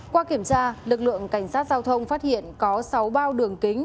qua kiểm tra lực lượng cảnh sát giao thông phát hiện có sáu bao đường kính